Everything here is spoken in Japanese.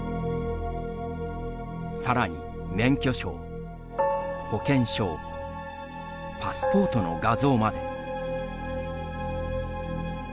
さらに、免許証、保険証パスポートの画像まで。